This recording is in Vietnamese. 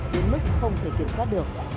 đến lúc không thể kiểm soát được